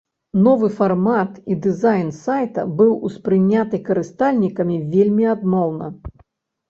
Новы фармат і дызайн сайта быў успрыняты карыстальнікамі вельмі адмоўна.